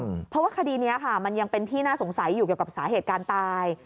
เพราะว่าคดีนี้ค่ะมันยังเป็นที่น่าสงสัยอยู่เกี่ยวกับสาเหตุการณ์ตาย